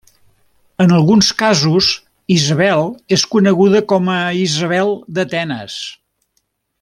En alguns casos, Isabel és coneguda com a Isabel d'Atenes.